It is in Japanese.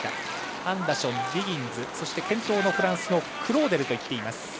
アンダーション、ディギンズそしてフランスのクローデルがいっています。